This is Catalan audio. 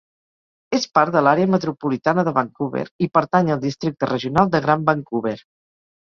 És part de l'Àrea Metropolitana de Vancouver i pertany al Districte Regional de Gran Vancouver.